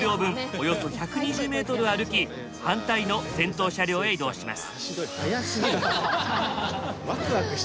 およそ１２０メートルを歩き反対の先頭車両へ移動します。